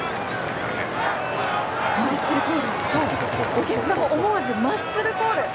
お客さんも思わずマッスルコール！